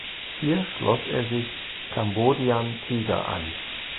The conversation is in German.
Hier schloss er sich Cambodian Tiger an.